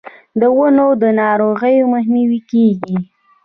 د ونو د ناروغیو مخنیوی کیږي.